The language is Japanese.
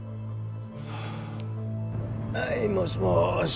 はいもしもし。